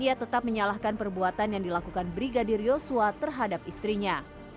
ia tetap menyalahkan perbuatan yang dilakukan brigadir yosua terhadap istrinya